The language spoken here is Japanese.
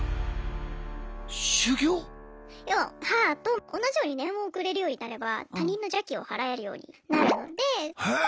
要は母と同じように念を送れるようになれば他人の邪気をはらえるようになるので。